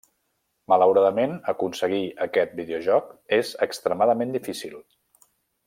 Malauradament, aconseguir aquest videojoc és extremadament difícil.